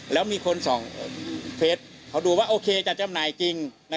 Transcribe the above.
แล้วมีคนส่องเฟสเขาดูว่าโอเคจะจำหน่ายจริง